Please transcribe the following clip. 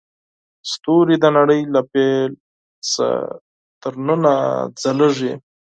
ستوري د نړۍ له پیل نه تر ننه ځلېږي.